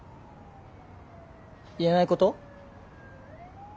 言えないこと？